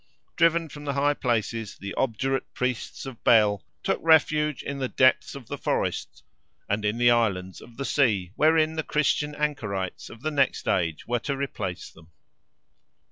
Driven from the high places, the obdurate Priests of Bel took refuge in the depths of the forest and in the islands of the sea, wherein the Christian anchorites of the next age were to replace them.